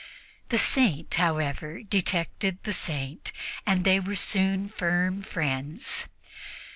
The Saint, however, detected the Saint, and they were soon firm friends.